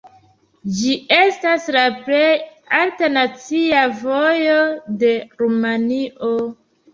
Ĝi estas la plej alta nacia vojo de Rumanio.